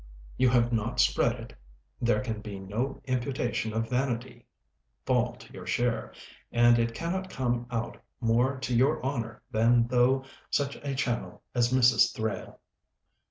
You have not spread it, there can no imputation of vanity fall to your share, and it cannot come out more to your honor than through such a channel as Mrs. Thrale."